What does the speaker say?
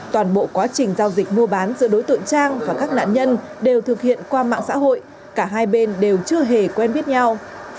toàn bộ quá trình giao dịch mua bán giữa đối tượng trang và các nạn nhân đều thực hiện qua mạng xã hội cả hai bên đều chưa hề quen biết nhau